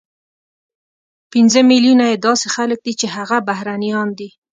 پنځه ملیونه یې داسې خلک دي چې هغه بهرنیان دي،